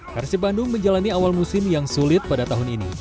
persib bandung menjalani awal musim yang sulit pada tahun ini